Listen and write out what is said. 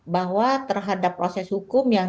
bahwa terhadap proses hukum yang